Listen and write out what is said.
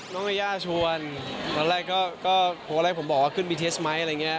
น้องยายาชวนตอนแรกก็ก็พวกแรกผมบอกว่าขึ้นบีเทสไหมท์อะไรอย่างเงี้ย